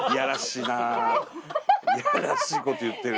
いやらしい事言ってる。